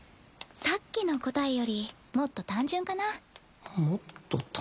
さっきの答えよりもっと単純かな。